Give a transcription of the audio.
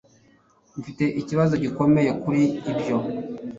Mfite ikibazo gikomeye kuri ibyo